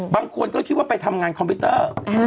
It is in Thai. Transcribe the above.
บางคนก็คิดว่าไปทำงานคอมพิวเตอร์